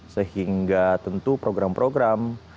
sehingga tentu program program